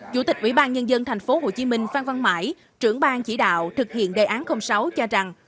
chủ tịch ủy ban nhân dân tp hcm phan văn mãi trưởng bang chỉ đạo thực hiện đề án sáu cho rằng